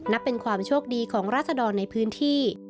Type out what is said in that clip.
นับเป็นความโชคดีของราศดรในพื้นที่